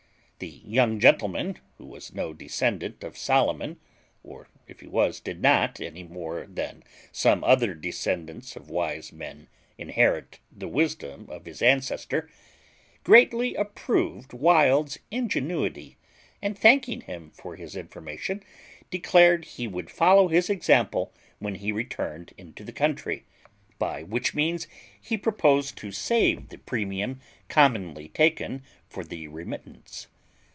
The young gentleman, who was no descendant of Solomon, or, if he was, did not, any more than some other descendants of wise men, inherit the wisdom of his ancestor, greatly approved Wild's ingenuity, and, thanking him for his information, declared he would follow his example when he returned into the country; by which means he proposed to save the premium commonly taken for the remittance.